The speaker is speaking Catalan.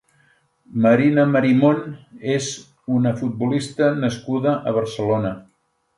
Marina Marimón és una futbolista nascuda a Barcelona.